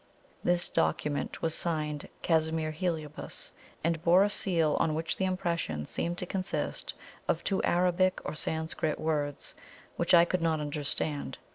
This document was signed "Casimir Heliobas," and bore a seal on which the impression seemed to consist of two Arabic or Sanskrit words, which I could not understand.